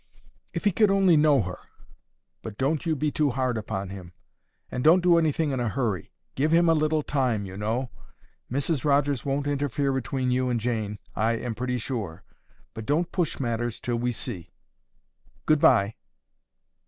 "If he could only know her! But don't you be too hard upon him. And don't do anything in a hurry. Give him a little time, you know. Mrs Rogers won't interfere between you and Jane, I am pretty sure. But don't push matters till we see. Good bye."